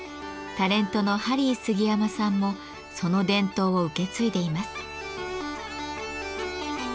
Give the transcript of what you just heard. タレントのハリー杉山さんもその伝統を受け継いでいます。